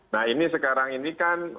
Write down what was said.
nah ini sekarang ini kan